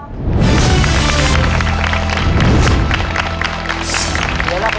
ต้นไม้ประจำจังหวัดระยองการครับ